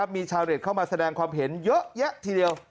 มีชาวเน็ตเข้ามาแสดงความเห็นเยอะแยะทีเดียว